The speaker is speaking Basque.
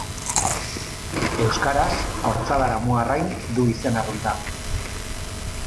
Euskaraz, ortzadar-amuarrain du izen arrunta.